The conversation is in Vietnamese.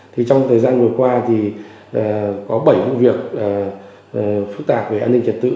thì trong thời gian vừa qua thì có bảy vụ việc phức tạp về an ninh trật tự